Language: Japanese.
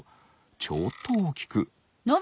ちょっとおおきくあっ